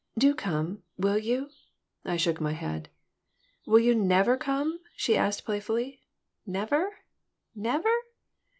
Do come. Will you?" I shook my head "Will you never come?" she asked, playfully. "Never? Never?"